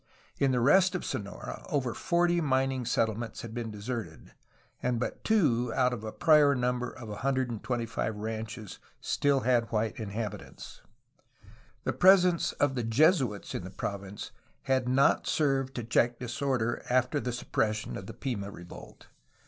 In the rest of Sonora over forty mining settlements had been deserted, and but two out of a prior number of 125 ranches still had white inhabitants. The presence of the Jesuits in the province had not served to check disorder, after the sup pression of the Pima revolt.